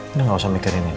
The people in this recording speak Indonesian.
udah gak usah mikirin nino